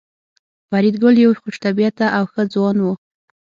فریدګل یو خوش طبیعته او ښه ځوان و